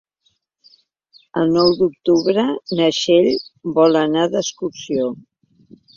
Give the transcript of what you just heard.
El nou d'octubre na Txell vol anar d'excursió.